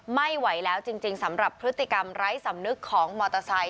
ไม่ไหวแล้วจริงสำหรับพฤติกรรมไร้สำนึกของมอเตอร์ไซค